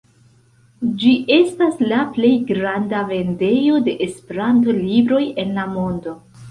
Ĝi estas la plej granda vendejo de Esperanto-libroj en la mondo.